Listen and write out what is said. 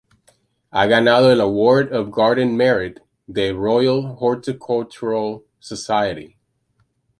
Ha ganado el Award of Garden Merit de Royal Horticultural Society.